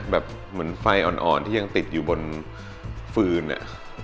แบบเหมือนไฟอ่อนที่ยังติดอยู่บนฟืน